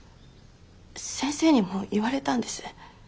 先生にも言われたんです